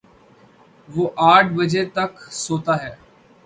وہ آٹھ بجے تک سوتا ہے